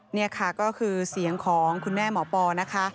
นี่ค่ะก็คือเสียงของคุณแม่หมอปอนะคะ